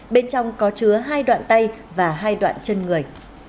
bên trong có chứa hai đoạn tay và hai đoạn chân người